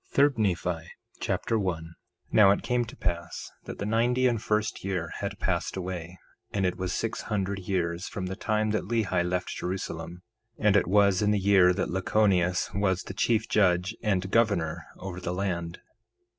3 Nephi Chapter 1 1:1 Now it came to pass that the ninety and first year had passed away and it was six hundred years from the time that Lehi left Jerusalem; and it was in the year that Lachoneus was the chief judge and the governor over the land.